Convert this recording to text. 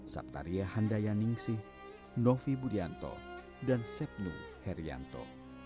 saptaria handaya ningsih novi budianto dan sepnu herianto